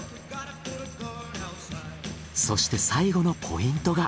そして最後のポイントが。